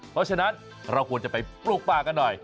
เพราะฉะนั้นเราควรจะไปปลูกป่ากันหน่อย